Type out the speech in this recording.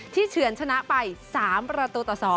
ที่เฉินชนะไป๓ประตูต่อ๒